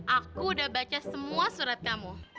aku udah baca semua surat kamu